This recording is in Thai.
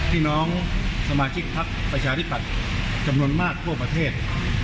พี่น้องสมาชิกพักประชาธิปัตย์จำนวนมากทั่วประเทศ